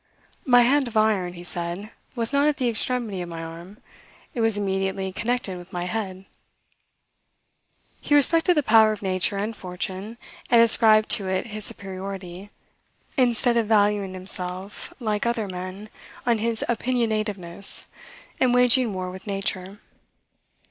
"My hand of iron," he said, "was not at the extremity of my arm; it was immediately connected with my head." He respected the power of nature and fortune, and ascribed to it his superiority, instead of valuing himself, like inferior men, on his opinionativeness and waging war with nature.